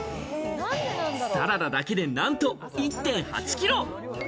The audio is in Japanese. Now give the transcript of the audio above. サラダだけでなんと１．８キロ。